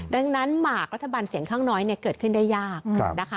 ดังนั้นหมากรัฐบาลเสียงข้างน้อยเกิดขึ้นได้ยากนะคะ